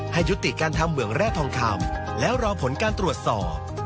ให้ยุติการทำเหมืองแร่ทองคำแล้วรอผลการตรวจสอบ